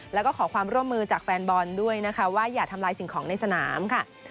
แล้วก็ขอความร่วมมือจากแฟนบอลด้วยนะคะว่าอย่าทำลายสิ่งของในสนามค่ะ